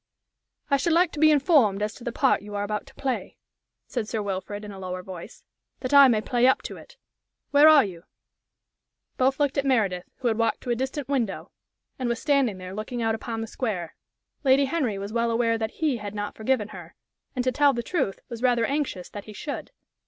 "I should like to be informed as to the part you are about to play," said Sir Wilfrid, in a lower voice, "that I may play up to it. Where are you?" Both looked at Meredith, who had walked to a distant window and was standing there looking out upon the square. Lady Henry was well aware that he had not forgiven her, and, to tell the truth, was rather anxious that he should.